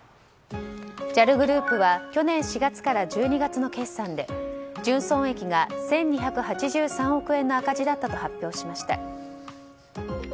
ＪＡＬグループは去年４月から１２月の決算で純損益が１２８３億円の赤字だったと発表しました。